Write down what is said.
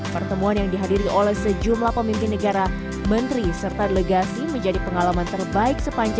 pertemuan yang dihadiri oleh sejumlah pemimpin negara menteri serta delegasi menjadi pengalaman terbaik sepanjang